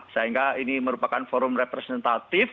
sehingga ini merupakan forum representatif